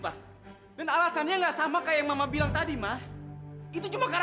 kalau ada apa apa yang terjadi sama ayah